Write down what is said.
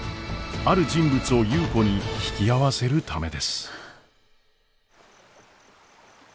ある人物を優子に引き合わせるためです。